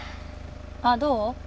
あっどう？